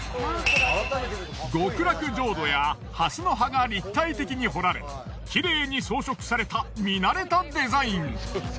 極楽浄土や蓮の葉が立体的に彫られきれいに装飾された見慣れたデザイン。